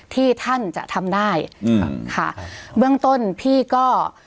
ที่ท่านจะทำได้อืมค่ะเบื้องต้นพี่ก็